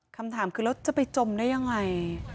คำถามคือแล้วจะไปจมได้ยังไง